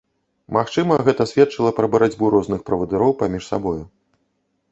Магчыма, гэта сведчыла пра барацьбу розных правадыроў паміж сабою.